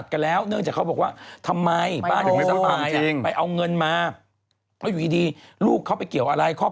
โดยแต่เขาบอกว่าทำไมบ้านยังไม่สบาย